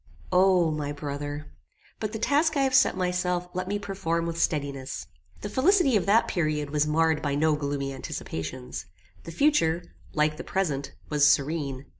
O my brother! But the task I have set myself let me perform with steadiness. The felicity of that period was marred by no gloomy anticipations. The future, like the present, was serene.